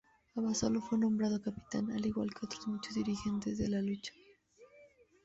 Abasolo fue nombrado capitán, al igual que otros muchos dirigentes de la lucha.